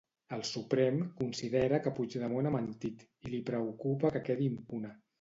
El Suprem considera que Puigdemont ha mentit i li preocupa que quedi impune.